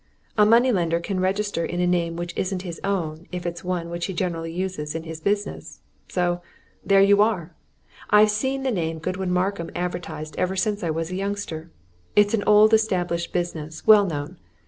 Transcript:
A money lender can register in a name which isn't his own if it's one which he generally uses in his business. So there you are! I've seen that name Godwin Markham advertised ever since I was a youngster it's an old established business, well known.